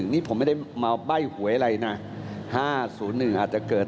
นี่ผมไม่ได้มาใบ้หวยอะไรนะ๕๐๑อาจจะเกิด